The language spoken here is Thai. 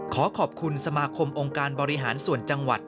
ขอขอบคุณสมาคมองค์การบริหารส่วนจังหวัด